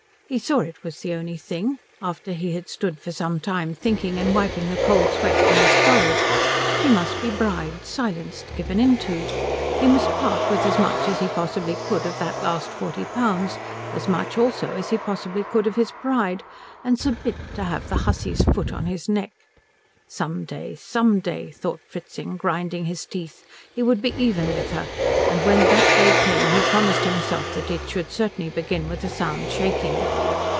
He saw it was the only thing, after he had stood for some time thinking and wiping the cold sweat from his forehead. She must be bribed, silenced, given in to. He must part with as much as he possibly could of that last forty pounds; as much, also, as he possibly could of his pride, and submit to have the hussy's foot on his neck. Some day, some day, thought Fritzing grinding his teeth, he would be even with her; and when that day came he promised himself that it should certainly begin with a sound shaking.